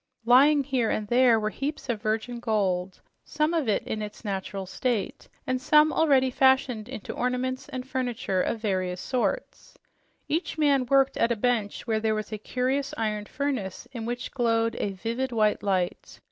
Lying here and there were heaps of virgin gold, some in its natural state and some already fashioned into ornaments and furniture of various sorts. Each man worked at a bench where there was a curious iron furnace in which glowed a vivid, white light.